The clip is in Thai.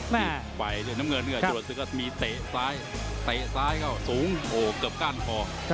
ไหวน้ำเงินเหมือนกับจรวดศึกก็มีเตะซ้ายเข้าสูงเกือบก้านคอ